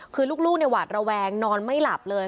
คือลูกหวาดระแวงนอนไม่หลับเลย